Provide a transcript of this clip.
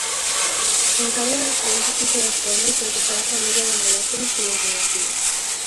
Encara hi ha moltes preguntes sense respondre pel que fa a la família de molècules de les de netrines.